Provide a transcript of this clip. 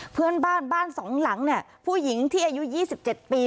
เพื่อนบ้านบ้านสองหลังเนี่ยผู้หญิงที่อายุ๒๗ปี